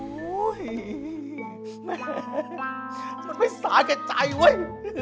มันไม่สหนกับชายแว่ย